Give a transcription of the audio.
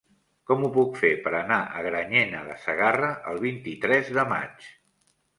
Com ho puc fer per anar a Granyena de Segarra el vint-i-tres de maig?